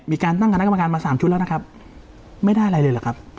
มีการตั้งคณะกรรมการมาสามชุดแล้วนะครับไม่ได้อะไรเลยเหรอครับ